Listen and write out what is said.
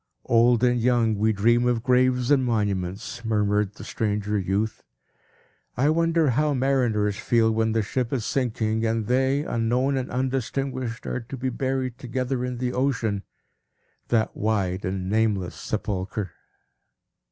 "Old and young, we dream of graves and monuments," murmured the stranger youth. "I wonder how mariners feel, when the ship is sinking, and they, unknown and undistinguished, are to be buried together in the ocean, that wide and nameless sepulchre?"